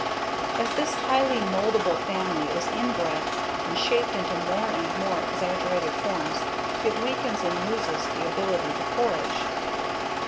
As this highly moldable family is inbred and shaped into more and more exaggerated forms, it weakens and loses the ability to forage.